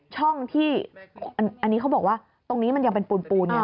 ช่องที่อันนี้เขาบอกว่าตรงนี้มันยังเป็นปูนปูน